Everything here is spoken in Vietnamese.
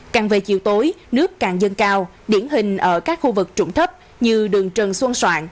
càng về chiều tối nước càng dâng cao điển hình ở các khu vực trụng thấp như đường trần xuân soạn